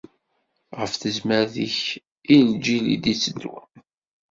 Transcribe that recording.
Ɣef tezmert-ik i lǧil i d-itteddun.